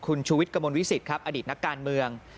คุณชูวิทย์กระมวลวิสิตครับอดีตนักการเมือง